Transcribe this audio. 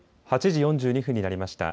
８時４２分になりました。